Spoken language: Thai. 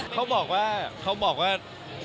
เขาบอกว่าเขาบอกว่า